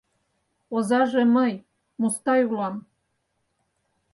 — Озаже мый, Мустай, улам.